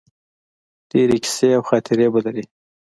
ډیرې قیصې او خاطرې به لرې